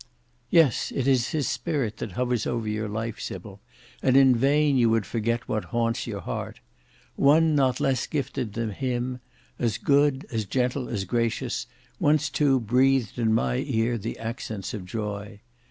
"Yes, it is his spirit that hovers over your life, Sybil; and in vain you would forget what haunts your heart. One not less gifted than him; as good, as gentle, as gracious; once too breathed in my ear the accents of joy.